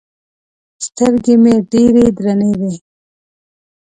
سترګې مې ډېرې درنې وې.